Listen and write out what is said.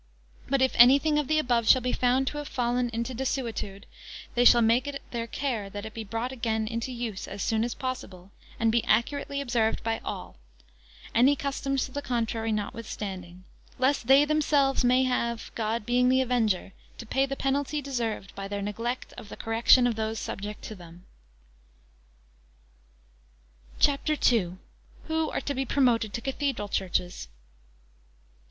But if anything of the above shall be found to have fallen into desuetude, they shall make it their care that it be brought again into use as soon as possible, and be accurately observed by all; any customs to the contrary notwithstanding; lest they themselves may have, God being the avenger, to pay the penalty deserved by their neglect of the correction of those subject to them. CHAPTER II. Who are to be promoted to Cathedral Churches.